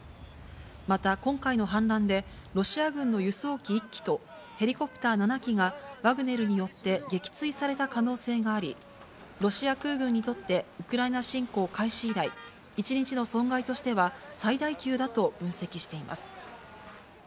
また、今回の反乱でロシア軍の輸送機１機とヘリコプター７機が、ワグネルによって撃墜された可能性があり、ロシア空軍にとって、ウクライナ侵攻開始以来、１日の損害としては最大級だと分析しています。